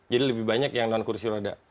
jadi lebih banyak yang non kursi roda